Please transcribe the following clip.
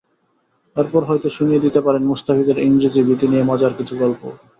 এরপর হয়তো শুনিয়ে দিতে পারেন মুস্তাফিজের ইংরেজিভীতি নিয়ে মজার কিছু গল্পও।